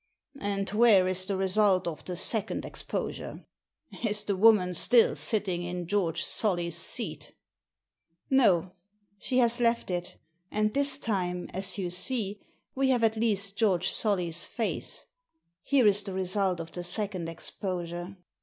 " And where is the result of the second exposure ? Is the woman still sitting in Geoi^e Solly's seat !"" No, she has left it, and this time, as you see, we have at least Geoi^e Solly's face. Here is the result of the second exposure."